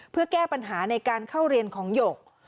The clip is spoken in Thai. เพื่อแก้ปัญหาในการเข้าเรียนของหยก